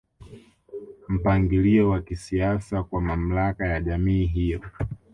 Mpangilio wa kisiasa kwa mamlaka ya jamii hiyo